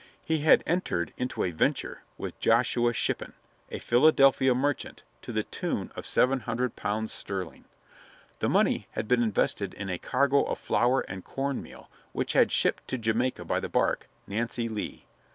He had entered into a "venture" with Josiah Shippin, a Philadelphia merchant, to the tune of seven hundred pounds sterling. The money had been invested in a cargo of flour and corn meal which had been shipped to Jamaica by the bark Nancy Lee.